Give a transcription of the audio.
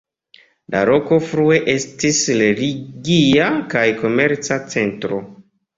La loko frue estis religia kaj komerca centro.